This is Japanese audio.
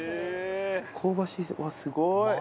香ばしいうわっすごい！